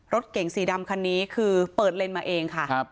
รถเก่งสีดำคันนี้คือเปิดเลนส์มาเองค่ะ